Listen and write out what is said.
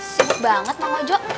sudut banget mang ojo